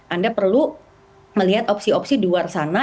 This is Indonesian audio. anda perlu melihat opsi opsi di luar sana